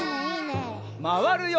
まわるよ。